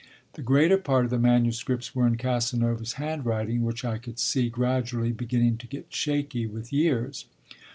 The greater part of the manuscripts were in Casanova's handwriting, which I could see gradually beginning to get shaky with years.